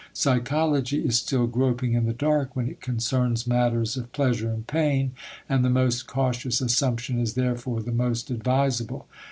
Psychology is still groping in the dark when it concerns matters of pleasure and pain, and the most cautious assumption is therefore the most advisable.